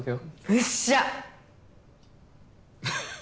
よっしゃ！